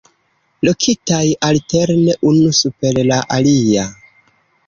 Lokitaj alterne unu super la alia.